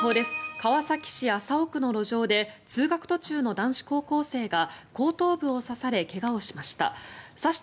川崎市麻生区の路上で通学途中の男子高校生が後頭部を刺され怪我をしました。